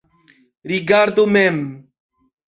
Rigardu mem.